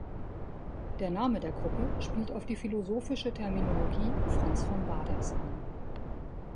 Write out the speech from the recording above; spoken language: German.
Der Name der Gruppe spielt auf die philosophische Terminologie Franz von Baaders an.